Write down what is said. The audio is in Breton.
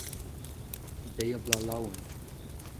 Deiz-ha-bloaz laouen !